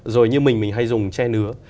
rồi như mình mình hay dùng che nứa